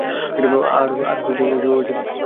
আর খুঁজে পাইনি।